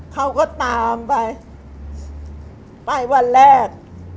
เขาก็ตามไปไปวันแรก